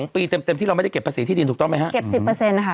ปีเต็มที่เราไม่ได้เก็บภาษีที่ดินถูกต้องไหมฮะเก็บ๑๐ค่ะ